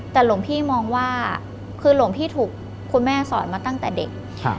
แต่หลวงพี่มองว่าคือหลวงพี่ถูกคุณแม่สอนมาตั้งแต่เด็ก